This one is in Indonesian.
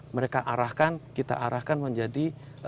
mereka arahkan kita arahkan menjadi